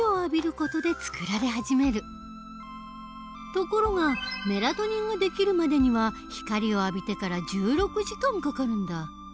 ところがメラトニンができるまでには光を浴びてから１６時間かかるんだ。